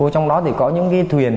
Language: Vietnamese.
trong đó thì có những cái thuyền